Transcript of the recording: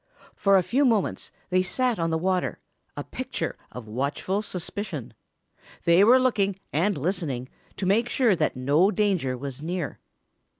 For a few moments they sat on the water, a picture of watchful suspicion. They were looking and listening to make sure that no danger was near.